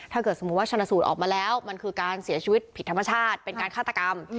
สมมุติว่าชนะสูตรออกมาแล้วมันคือการเสียชีวิตผิดธรรมชาติเป็นการฆาตกรรม